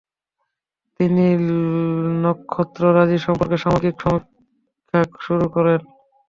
তিনি নক্ষত্ররাজি সম্পর্কে সামগ্রিক সমীক্ষা শুরু করেন।